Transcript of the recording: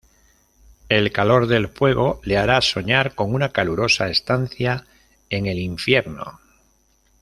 El calor del fuego le hará soñar con una calurosa estancia en el infierno.